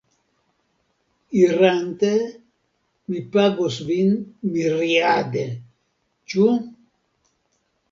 Irante, mi pagos vin miriade. Ĉu?